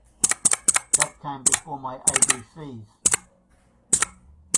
That came before my A B C's.